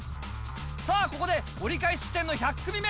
さあ、ここで折り返し地点の１００組目。